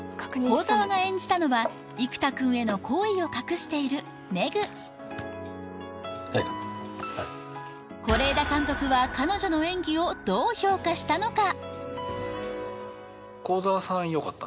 幸澤が演じたのは生田くんへの好意を隠しているめぐ是枝監督は彼女の演技をどう評価したのか？